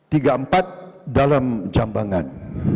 tiga empat dalam jambangan